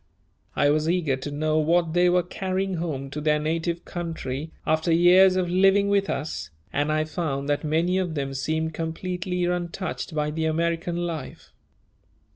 I was eager to know what they were carrying home to their native country after years of living with us, and I found that many of them seemed completely untouched by the American life.